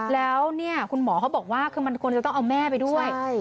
แล้วเนี่ยคุณหมอเขาบอกว่าคือมันควรจะต้องเอาแม่ไปด้วย